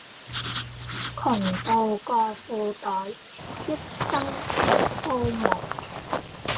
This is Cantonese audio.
窮到個褲袋一針錢都冇